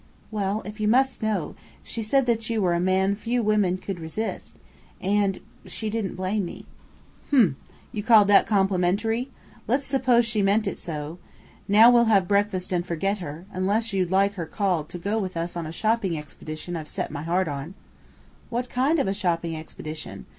"Well, if you must know, she said that you were a man few women could resist; and she didn't blame me." "H'm! You call that complimentary? Let's suppose she meant it so. Now we'll have breakfast, and forget her unless you'd like her called to go with us on a shopping expedition I've set my heart on." "What kind of a shopping expedition?"